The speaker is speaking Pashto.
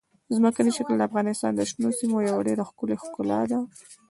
ځمکنی شکل د افغانستان د شنو سیمو یوه ډېره ښکلې ښکلا ده.